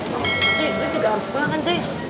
cuy gue juga harus pulang kan cuy